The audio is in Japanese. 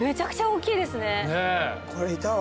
これいたわ。